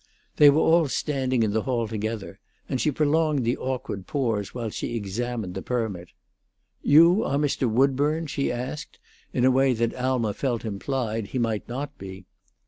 They were all standing in the hall together, and she prolonged the awkward pause while she examined the permit. "You are Mr. Woodburn?" she asked, in a way that Alma felt implied he might not be.